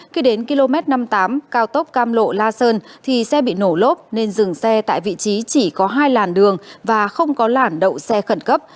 khi đến km năm mươi tám cao tốc cam lộ la sơn thì xe bị nổ lốp nên dừng xe tại vị trí chỉ có hai làn đường và không có làn đậu xe khẩn cấp